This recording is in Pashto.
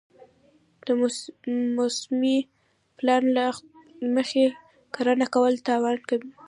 د موسمي پلان له مخې کرنه کول تاوان کموي.